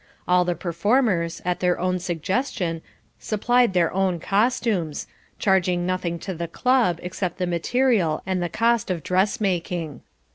All the performers, at their own suggestion, supplied their own costumes, charging nothing to the club except the material and the cost of dressmaking.